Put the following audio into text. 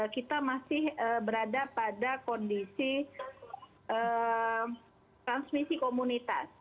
kita masih berada pada kondisi transmisi komunitas